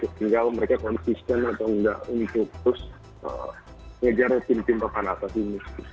sehingga mereka konsisten atau enggak untuk terus mengejar tim tim papan atas ini